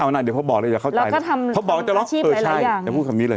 เอาหน่ะเดี๋ยวพ่อบอกเลยเดี๋ยวเข้าใจแล้วเขาบอกว่าจะเลิกเออใช่เดี๋ยวพูดคำนี้เลย